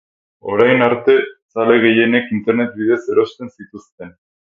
Orain arte, zale gehienek internet bidez erosten zituzten.